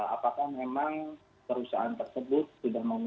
apakah memang perusahaan tersebut sudah membeli emas